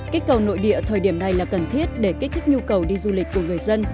kích cầu nội địa thời điểm này là cần thiết để kích thích nhu cầu đi du lịch của người dân